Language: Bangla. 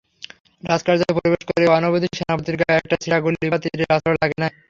রাজকার্যে প্রবেশ করিয়া অবধি সেনাপতির গায়ে একটা ছিটাগুলি বা তীরের আঁচড় লাগে নাই।